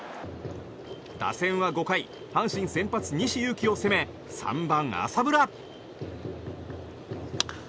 打線は５回阪神先発、西勇輝を攻め３番、浅村。